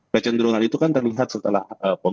kecenderungan itu kan terlihat setelah